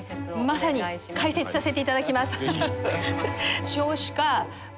まさに解説させていただきます。